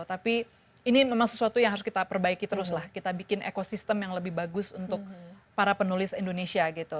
tapi ini memang sesuatu yang harus kita perbaiki terus lah kita bikin ekosistem yang lebih bagus untuk para penulis indonesia gitu